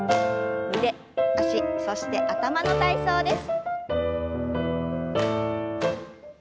腕脚そして頭の体操です。